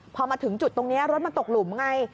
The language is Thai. พอมาถึงจุดตรงนี้รถมันตกหลุมไง